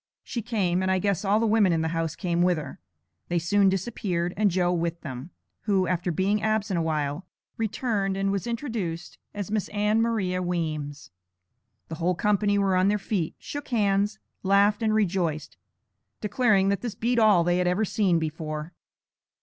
She came, and I guess all the women in the house came with her. They soon disappeared, and Joe with them, who, after being absent a while, returned, and was introduced as Miss Ann Maria Weems. The whole company were on their feet, shook hands, laughed, and rejoiced, declaring that this beat all they had ever seen before.